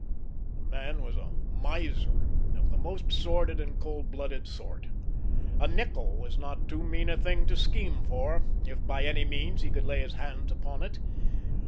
The man was a miser of the most sordid and cold blooded sort. A nickel was not too mean a thing to scheme for, if by any means he could lay his hands upon it.